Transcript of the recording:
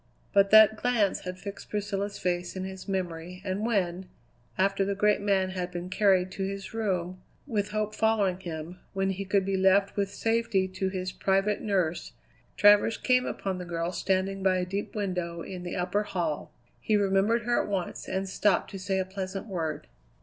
But that glance had fixed Priscilla's face in his memory, and when, after the great man had been carried to his room with hope following him, when he could be left with safety to his private nurse, Travers came upon the girl standing by a deep window in the upper hall. He remembered her at once and stopped to say a pleasant word.